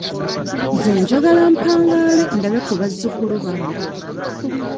Nze njagala mpangaale ndabe ku bazukulu bange.